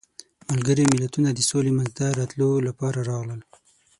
ملګري ملتونه د سولې منځته راتلو لپاره راغلل.